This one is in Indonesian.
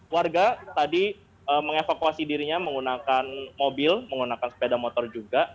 warga tadi mengevakuasi dirinya menggunakan mobil menggunakan sepeda motor juga